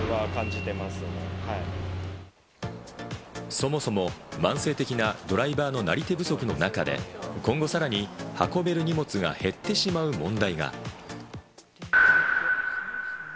そもそも慢性的なドライバーのなり手不足の中で今後、さらに運べる荷物が減ってしまう問題が。